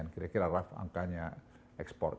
kira kira raff angkanya ekspor